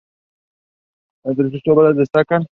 Entre sus obras destacan